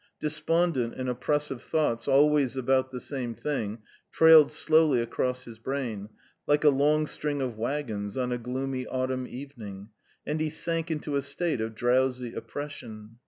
Despondent and oppressive thoughts always about the same thing trailed slowly across his brain like a long string of waggons on a gloomy autumn evening, and he sank into a state of drowsy oppression.